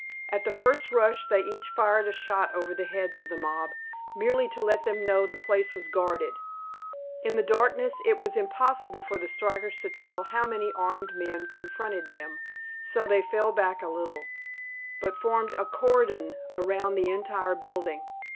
At the first rush they each fired a shot over the heads of the mob, merely to let them know the place was guarded. In the darkness it was impossible for the strikers to tell how many armed men confronted them, so they fell back a little, but formed a cordon around the entire building.